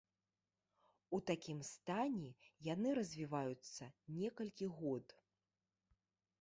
У такім стане яны развіваюцца некалькі год.